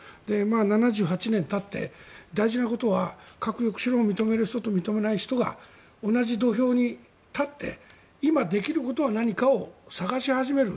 ７８年たって大事なことは核抑止論を認める人と認めない人が同じ土俵に立って今できることは何かを探し始める。